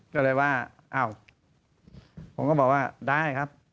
ก็เลยว่าอ้าวผมก็บอกว่าได้ครับ